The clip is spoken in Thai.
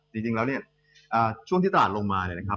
จริงแล้วเนี่ยช่วงที่ตลาดลงมาเนี่ยนะครับ